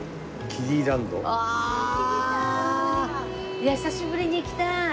いや久しぶりに行きたい。